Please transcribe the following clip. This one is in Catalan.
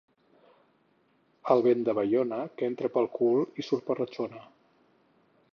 El vent de Baiona, que entra pel cul i surt per la xona.